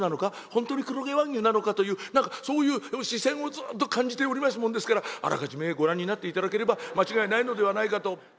本当に黒毛和牛なのか？という何かそういう視線をずっと感じておりますもんですからあらかじめご覧になっていただければ間違いないのではないかと」。